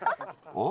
おっ？